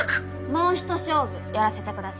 もうひと勝負やらせてください。